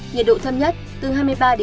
nhiệt độ thâm nhất từ hai mươi ba hai mươi sáu độ